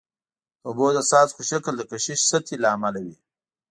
د اوبو د څاڅکو شکل د کشش سطحي له امله وي.